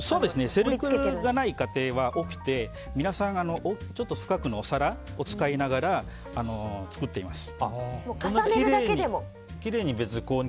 セルクルがない家庭は多くて皆さん、ちょっと深めのお皿を使いながら作っています。